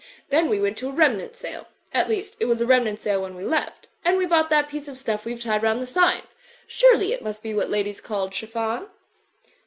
Then we went to a remnant sale. At least, it was a remnant sale when we left. And we bought that piece of stuff we've tied round the sign. Surely, it must be what ladies called chiffon?"